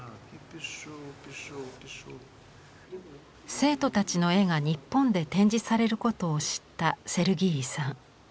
生徒たちの絵が日本で展示されることを知ったセルギーイさん。